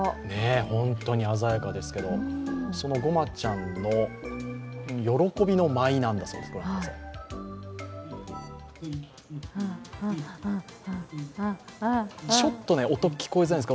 本当に鮮やかですけど、そのごまちゃんの喜びの舞だそうなんです。